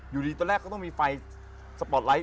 อยู่ดีตอนแรกก็ต้องมีไฟสปอร์ตไลท์